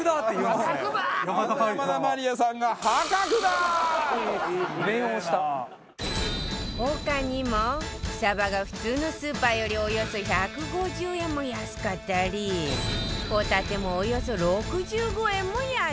他にもサバが普通のスーパーよりおよそ１５０円も安かったり帆立もおよそ６５円も安い